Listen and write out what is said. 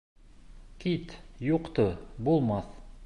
— Кит, юҡты, булмаҫ.